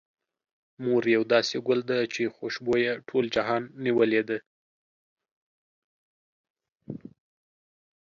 مور يو داسې ګل ده، چې خوشبو يې ټول جهان نيولې ده.